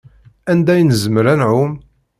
Anda i nezmer ad nɛumm?